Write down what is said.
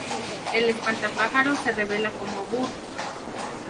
El espantapájaros se revela como Burt.